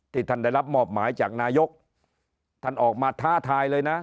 ท่านได้รับมอบหมายจากนายกท่านออกมาท้าทายเลยนะ